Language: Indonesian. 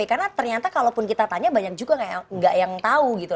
karena ternyata kalaupun kita tanya banyak juga nggak yang tahu gitu